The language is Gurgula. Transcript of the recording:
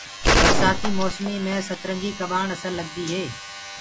برسآتي موسمو مي سترنگيٚ ڪٻآڻ اسل لگدي هي